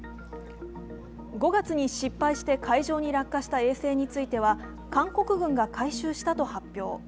５月に失敗して海上に落下した衛星については韓国軍が回収したと発表。